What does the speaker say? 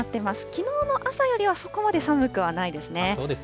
きのうの朝よりはそこまで寒くはないですね。